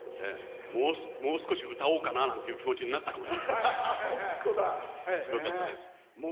もう少し歌おうかななんていう気持ちになったかな。